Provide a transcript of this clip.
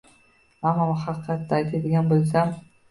Ammo haqiqatni aytadigan boʻlsam.